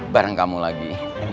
bareng kamu lagi